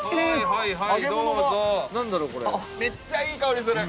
めっちゃいい香りする！